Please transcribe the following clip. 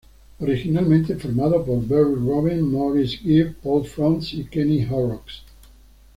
Originalmente formado por Barry, Robin, Maurice Gibb, Paul Frost y Kenny Horrocks.